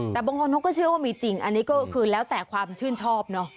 แต่บางคนเขาก็เชื่อว่ามีจริงอันนี้ก็คือแล้วแต่ความชื่นชอบเนอะ